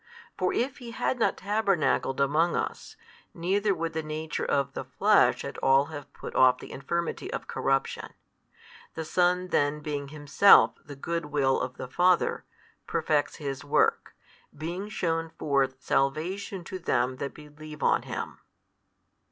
For if He had not tabernacled among us, neither would the nature of the flesh at all have put off the infirmity of corruption. The Son then being Himself the good Will of the Father, perfects His Work, being shewn forth salvation to them that believe on Him.